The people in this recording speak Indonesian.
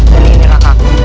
dan ini raka